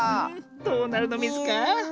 どうなるのミズか？